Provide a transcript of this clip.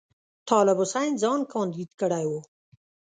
طالب حسین ځان کاندید کړی وو.